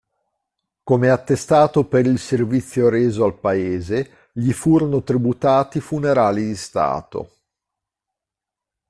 Come attestato per il servizio reso al Paese, gli furono tributati funerali di Stato.